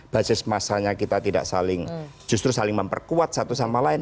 basis masanya kita tidak saling justru saling memperkuat satu sama lain